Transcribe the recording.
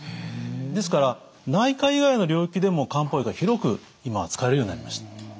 ですから内科以外の領域でも漢方薬は広く今は使われるようになりました。